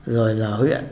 rồi là huyện